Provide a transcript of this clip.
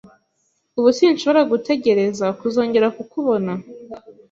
Ubu sinshobora gutegereza kuzongera kukubona